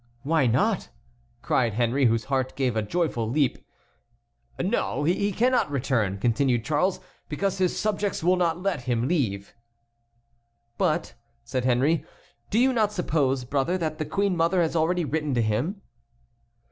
"Why not?" cried Henry, whose heart gave a joyful leap. "No, he cannot return," continued Charles, "because his subjects will not let him leave." "But," said Henry, "do you not suppose, brother, that the queen mother has already written to him?"